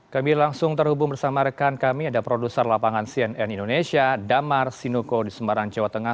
kami langsung terhubung bersama rekan kami ada produser lapangan cnn indonesia damar sinuko di semarang jawa tengah